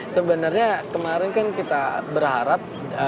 sebenarnya kemarin kan kita berharap